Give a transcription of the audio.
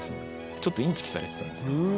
ちょっとインチキされてたんですね。